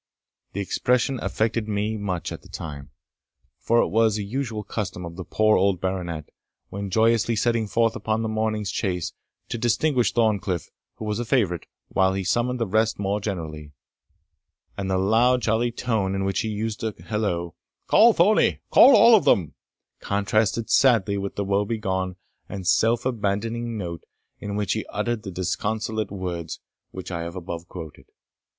The expression affected me much at the time; for it was a usual custom of the poor old baronet's, when joyously setting forth upon the morning's chase, to distinguish Thorncliff, who was a favourite, while he summoned the rest more generally; and the loud jolly tone in which he used to hollo, "Call Thornie call all of them," contrasted sadly with the woebegone and self abandoning note in which he uttered the disconsolate words which I have above quoted.